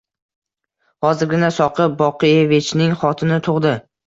Hozirgina Soqi Boqievichning xotini tug`di